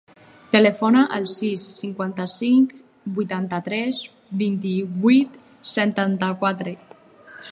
Telefona al sis, cinquanta-cinc, vuitanta-tres, vint-i-vuit, setanta-quatre.